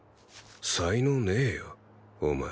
才能ねえよお前。